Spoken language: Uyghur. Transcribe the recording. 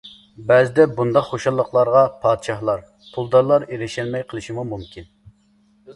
بەزىدە بۇنداق خۇشاللىقلارغا پادىشاھلار، پۇلدارلار ئېرىشەلمەي قېلىشىمۇ مۇمكىن.